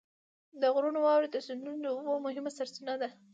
د غرونو واورې د سیندونو د اوبو مهمه سرچینه ده.